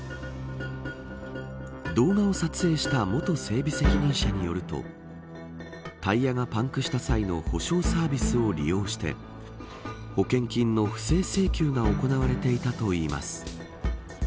動画を撮影した元整備責任者によるとタイヤがパンクした際の保証サービスを利用して保険金の不正請求が行われていたといいます。